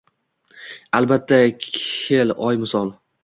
Albatta kel oy misol;